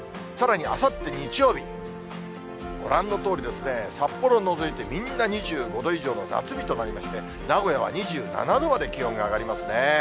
さらにあさって日曜日、ご覧のとおり、札幌を除いてみんな２５度以上の夏日となりまして、名古屋は２７度まで気温が上がりますね。